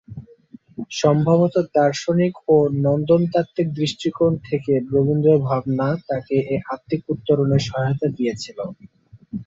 সম্ভবত দার্শনিক ও নন্দনতাত্ত্বিক দৃষ্টিকোণ থেকে ররীন্দ্রভাবনা তাঁকে এ আত্মিক উত্তরণে সহায়তা দিয়েছিল।